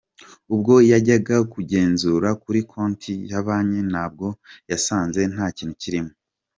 Ubwo yajyaga kugenzura kuri konti ya banki nabwo ngo yasanze nta kintu kirimo.